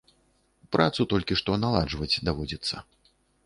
Працу толькі што наладжваць даводзіцца.